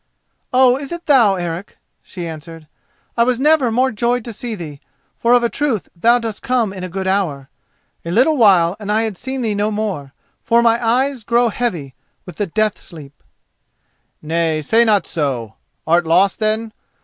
"Oh, is it thou, Eric?" she answered. "I was never more joyed to see thee; for of a truth thou dost come in a good hour. A little while and I had seen thee no more, for my eyes grow heavy with the death sleep." "Nay, say not so. Art lost, then?